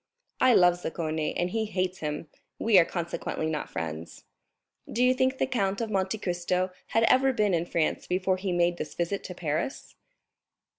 "I love Zaccone, and he hates him; we are consequently not friends." "Do you think the Count of Monte Cristo had ever been in France before he made this visit to Paris?"